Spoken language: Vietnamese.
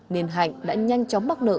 nên hạnh đã nhanh chóng bắt nợ